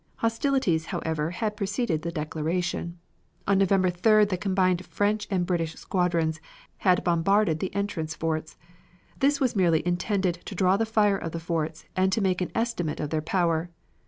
Hostilities, however, had preceded the declaration. On November 3d the combined French and British squadrons had bombarded the entrance forts. This was merely intended to draw the fire of the forts and make an estimate of their power.